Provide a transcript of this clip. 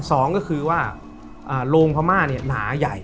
สองก็คือว่าโรงพม่าเนี่ยหนาใหญ่